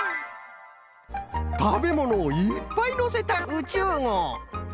たべものをいっぱいのせた「宇宙号」。